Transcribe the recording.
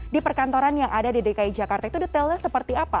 di perkantoran yang ada di dki jakarta itu detailnya seperti apa